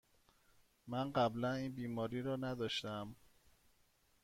من قبلاً این بیماری را نداشتم.